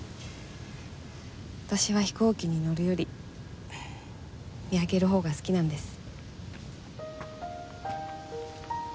私は飛行機に乗るより見上げるほうが好きなんです。